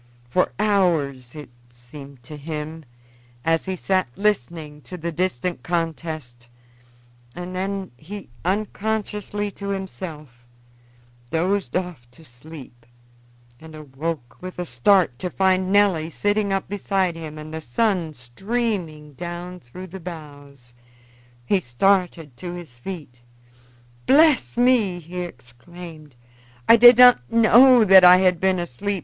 For hours, as it seemed to him, he sat listening to the distant contest, and then he, unconsciously to himself, dozed off to sleep, and awoke with a start, to find Nelly sitting up beside him and the sun streaming down through the boughs. He started to his feet. "Bless me!" he exclaimed, "I did not know that I had been asleep.